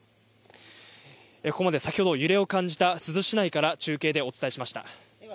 ここまで先ほど揺れを感じた珠洲市内から中継でお伝えしました。